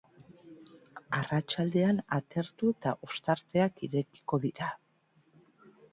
Arratsaldean atertu eta ostarteak irekiko dira.